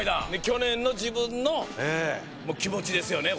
去年の自分の気持ちですよね